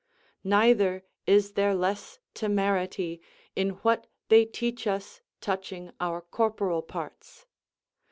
Neither is there less temerity in what they teach us touching our corporal parts.